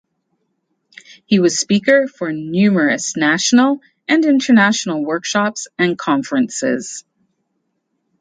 He was speaker for numerous national and international workshops and conferences.